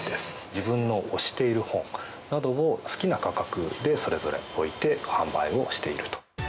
自分の推している本などを好きな価格でそれぞれ置いて販売をしていると。